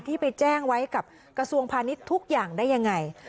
ไปแจ้งไว้กับกระทรวงพาณิชย์ทุกอย่างได้ยังไง